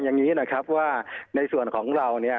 ในส่วนของเราเนี่ย